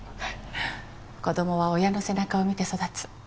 子供は親の背中を見て育つ。